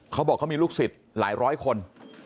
เขาบอกเขามีลูกศิษย์หลายร้อยคน